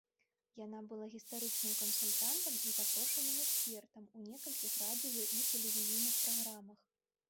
Яна была гістарычным кансультантам і запрошаным экспертам у некалькіх радыё- і тэлевізійных праграмах.